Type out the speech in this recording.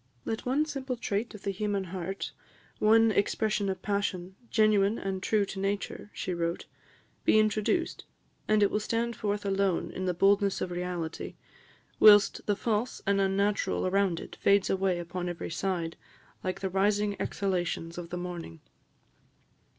"Let one simple trait of the human heart, one expression of passion, genuine and true to nature," she wrote, "be introduced, and it will stand forth alone in the boldness of reality, whilst the false and unnatural around it fades away upon every side, like the rising exhalations of the morning."